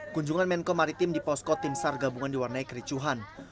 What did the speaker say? kunjungan menko maritim di posko timsar gabungan diwarnai kericuhan